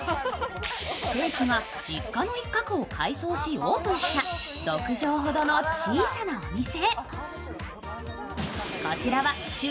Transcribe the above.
店主が実家の一角を改装しオープンした６畳ほどの小さなお店。